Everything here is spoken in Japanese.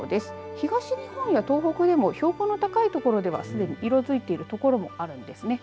東日本や東北でも標高の高いところでは、すでに色づいているところもあるんですね。